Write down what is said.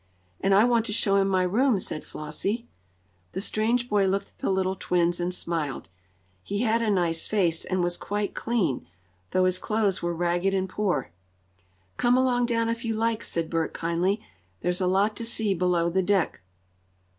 "And I want to show him my room," said Flossie. The strange boy looked at the little twins and smiled. He had a nice face, and was quite clean, though his clothes were ragged and poor. "Come along down if you like," said Bert kindly. "There's a lot to see below the deck."